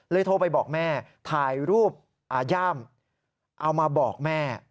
เลยโทรไปบอกแม่ถ่ายรูปอาหญ้ามเอามาบอกแม่